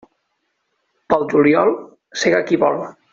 Pel juliol, sega qui vol.